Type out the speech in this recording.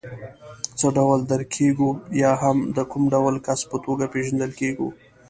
څه ډول درک کېږو یا هم د کوم ډول کس په توګه پېژندل کېږو.